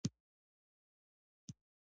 ایا زه باید وریجې وخورم؟